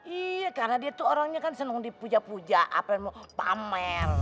iya karena dia tuh orangnya kan seneng dipuja puja apa yang mau pamer